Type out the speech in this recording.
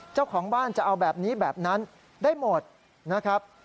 เจ้าของบ้านจะเอาแบบนี้แบบนั้นได้หมดนะครับ